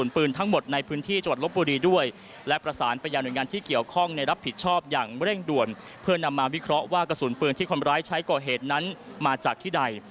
เพื่อนำมาวิเคราะห์ว่ากระสุนปืนที่คนร้ายใช้ก่อเหตุนั้นมาจากที่ใด